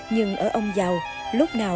nhưng ở ông giàu lúc nào cũng không hẳn dư giã